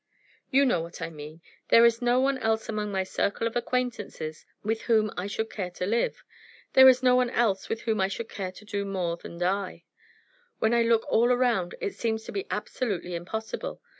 "You know what I mean. There is no one else among my circle of acquaintances with whom I should care to live. There is no one else with whom I should care to do more than die. When I look at it all round it seems to be absolutely impossible.